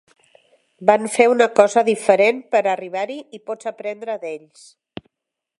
Van fer una cosa diferent per arribar-hi i pots aprendre d'ells.